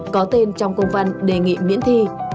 có tên trong công văn đề nghị miễn thi